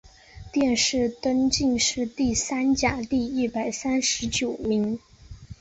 殿试登进士第三甲第一百三十九名。